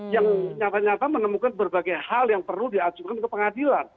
yang nyata nyata menemukan berbagai hal yang perlu diajukan ke pengadilan